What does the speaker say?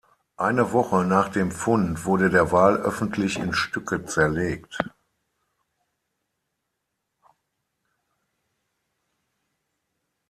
Eine Woche nach dem Fund wurde der Wal öffentlich in Stücke zerlegt.